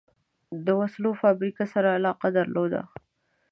د وسلو فابریکې سره علاقه درلوده.